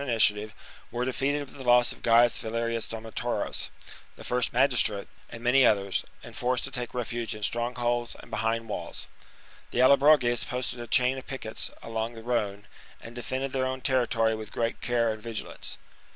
Qwn mitiativc, wcrc defeated with the loss of Gaius Valerius Domnotaurus, the first magistrate, and many others, and forced to take refuge in strong holds and behind walls. The AUobroges posted a chain of piquets along the Rhone, and defended their own territory with great care and vigilance.